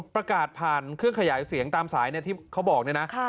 ประกาศผ่านเครื่องขยายเสียงตามสายที่เขาบอกเนี่ยนะ